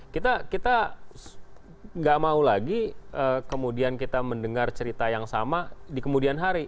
kita nggak mau lagi kemudian kita mendengar cerita yang sama di kemudian hari